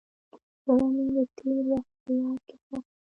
زړه مې د تېر وخت په یاد کې ښخ شو.